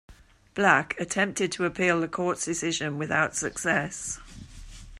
Black attempted to appeal the court's decision without success.